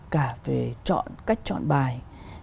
cả về cách chọn bài